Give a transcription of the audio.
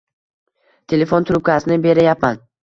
Telefon trubkasini berayapman.